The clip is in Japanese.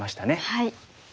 はい。